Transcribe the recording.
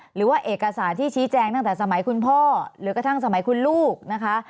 หรือว่าเอกสารที่ชี้แจงตั้งแต่สมัยคุณพ่อหรือกระทั่งสมัยคุณลูกนะคะ